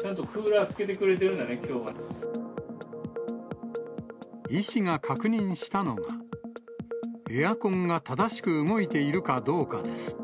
ちゃんとクーラーつけてくれ医師が確認したのは、エアコンが正しく動いているかどうかです。